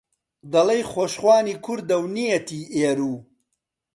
دەڵێی خۆشخوانی کوردە و نیەتی ئێروو